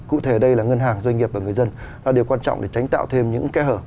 cụ thể đây là ngân hàng doanh nghiệp và người dân điều quan trọng để tránh tạo thêm những kẽ hở